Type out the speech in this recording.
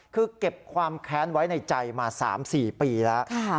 คือเก็บความแค้นไว้ในใจมา๓๔ปีแล้ว